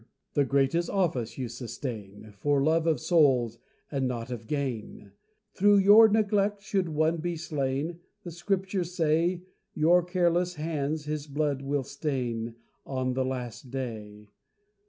The greatest office you sustain For love of souls, and not of gain: Through your neglect should one be slain, The Scriptures say, Your careless hands his blood will stain, On the Last Day.